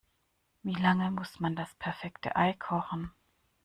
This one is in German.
Wie lange muss man das perfekte Ei kochen?